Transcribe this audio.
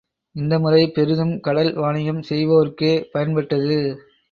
இந்த முறை பெரிதும் கடல் வாணிகம் செய்வோர்க்கே பயன்பட்டது.